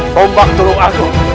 bombak turun agung